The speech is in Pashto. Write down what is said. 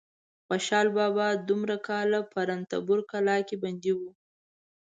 خوشحال بابا دومره کاله په رنتبور کلا کې بندي و.